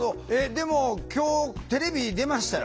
でも今日テレビ出ましたよ？